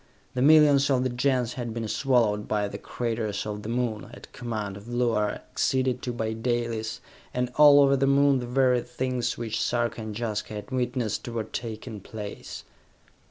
The millions of the Gens had been swallowed by the craters of the Moon, at command of Luar, acceded to by Dalis and all over the Moon the very things which Sarka and Jaska had witnessed were taking place.